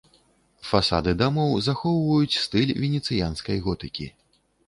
Фасады дамоў захоўваюць стыль венецыянскай готыкі.